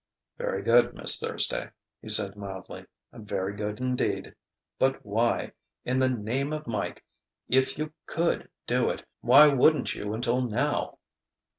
"Very good, Miss Thursday," he said mildly "very good indeed. But why in the name of Mike! if you could do it why wouldn't you until now?"